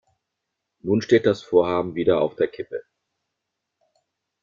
Nun steht das Vorhaben wieder auf der Kippe.